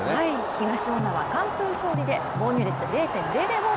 東恩納は完封勝利で防御率０．００。